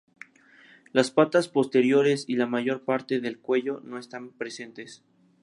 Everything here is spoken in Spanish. Las patas posteriores y la mayor parte del cuello no están presentes.